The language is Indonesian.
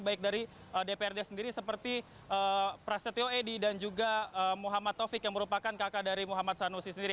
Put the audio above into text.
baik dari dprd sendiri seperti prasetyo edy dan juga muhammad taufik yang merupakan kakak dari muhammad sanusi sendiri